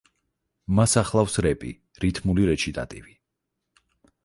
მას ახლავს რეპი, რითმული რეჩიტატივი.